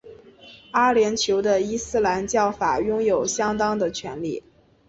阿联酋的伊斯兰教法拥有相当的权力。